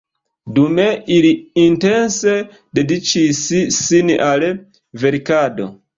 Dume ili intense dediĉis sin al verkado.